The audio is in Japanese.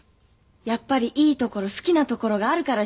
やっぱりいいところ好きなところがあるからじゃないんですか？